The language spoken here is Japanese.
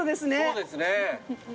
そうですね。